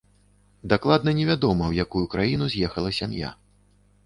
Дакладна не вядома, у якую краіну з'ехала сям'я.